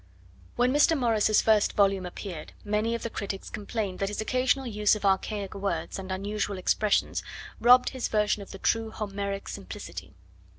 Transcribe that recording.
When Mr. Morris's first volume appeared many of the critics complained that his occasional use of archaic words and unusual expressions robbed his version of the true Homeric simplicity.